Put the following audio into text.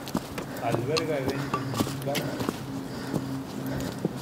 Alberga eventos musicales y religiosos.